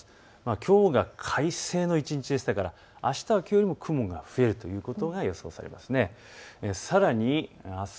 きょうが快晴の一日でしたからあしたは雲が増えるということが予想されます。